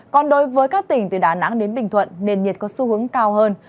còn đối với các tỉnh từ đà nẵng đến bình thuận nền nhiệt có xu hướng cao hơn